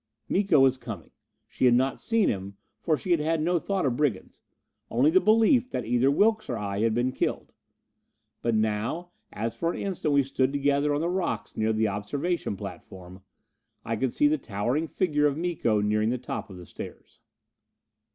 Miko was coming! She had not seen him: for she had no thought of brigands only the belief that either Wilks or I had been killed. But now, as for an instant we stood together on the rocks near the observation platform, I could see the towering figure of Miko nearing the top of the stairs.